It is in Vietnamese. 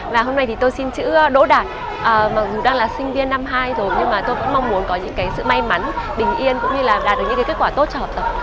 và hôm nay thì tôi xin chữ đỗ đạt mặc dù đang là sinh viên năm hai rồi nhưng mà tôi cũng mong muốn có những cái sự may mắn bình yên cũng như là đạt được những cái kết quả tốt cho học tập